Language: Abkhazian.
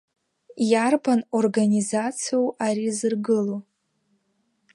Иарбан организациоу ари зыргыло?